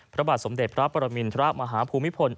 พระบาทสมเด็จพระปรมินทรมาฮภูมิพล